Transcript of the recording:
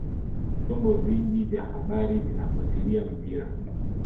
vyombo vingi vya habari vinafuatilia mpira